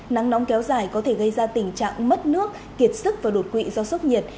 nắng nóng kéo dài có thể gây ra tình trạng mất nước kiệt sức và đột quỵ do sốc nhiệt